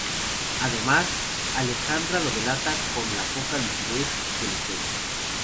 Además, Alejandra lo delata con la poca lucidez que le queda.